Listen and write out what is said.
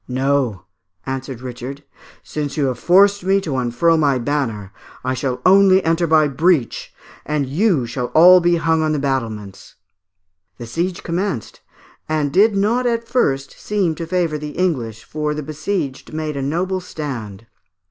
"No," answered Richard, "since you have forced me to unfurl my banner, I shall only enter by the breach, and you shall all be hung on the battlements." The siege commenced, and did not at first seem to favour the English, for the besieged made a noble stand.